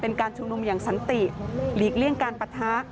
เป็นการชุมนุมอย่างสันติหลีกเลี่ยงการปะทะ